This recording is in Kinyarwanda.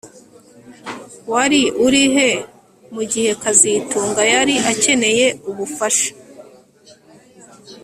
Wari urihe mugihe kazitunga yari akeneye ubufasha